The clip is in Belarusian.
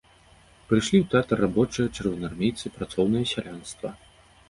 Прыйшлі ў тэатр рабочыя, чырвонаармейцы, працоўнае сялянства.